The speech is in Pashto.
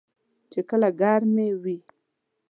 چې کله ګرمې وي .